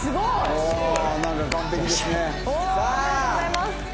おめでとうございます。